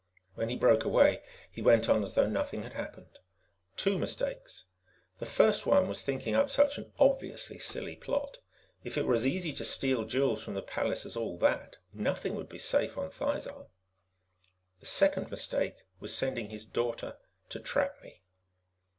When he broke away, he went on as though nothing had happened. "Two mistakes. The first one was thinking up such an obviously silly plot. If it were as easy to steal jewels from the palace as all that, nothing would be safe on Thizar. "The second mistake was sending his daughter to trap me."